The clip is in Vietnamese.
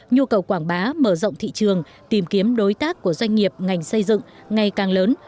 nhu cầu quảng bá mở rộng thị trường tìm kiếm đối tác của doanh nghiệp ngành xây dựng ngày càng lớn